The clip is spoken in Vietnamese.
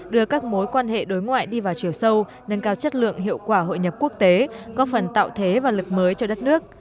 đưa các mối quan hệ đối ngoại đi vào chiều sâu nâng cao chất lượng hiệu quả hội nhập quốc tế góp phần tạo thế và lực mới cho đất nước